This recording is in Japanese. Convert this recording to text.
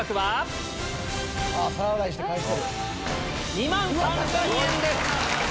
２万３０００円です！